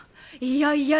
いやいや